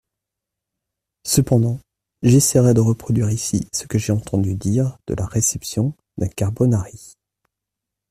Cependant, j'essaierai de reproduire ici ce que j'ai entendu dire de la réception d'un carbonari.